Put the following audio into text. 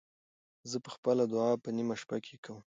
زه به خپله دعا په نیمه شپه کې کوم.